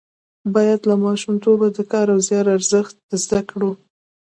باید له ماشومتوبه د کار او زیار ارزښت زده کړو.